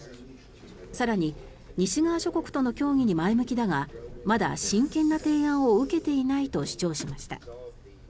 更に、西側諸国との協議に前向きだがまだ真剣な提案を受けていないと主張しました。